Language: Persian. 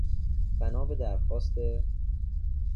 بنا به درخواست...